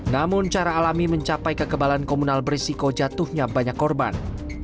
namun cara alami mencapai kekebalan komunal berisiko jatuhnya banyak korban